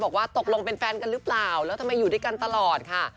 บอกว่าตกลงเป็นแฟนกันหรือเปล่าแล้วทำไมอยู่ด้วยกันตลอดค่ะ